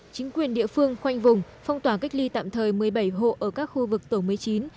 chính quyền địa phương khoanh vùng phong tỏa cách ly tạm thời một mươi bảy hộ ở các khu vực tổ một mươi chín